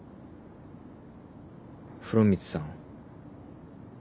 風呂光さん